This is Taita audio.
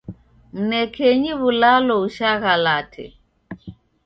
Mnekenyi w'ulalo ushaghalate.